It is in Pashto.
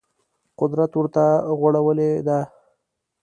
قدرت ورته غوړولې ده